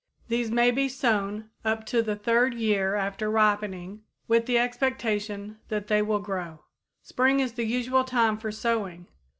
These may be sown up to the third year after ripening with the expectation that they will grow. Spring is the usual time for sowing.